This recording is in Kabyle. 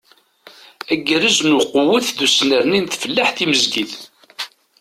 Agerrez n uqewwet d usnerni n tfellaḥt timezgit.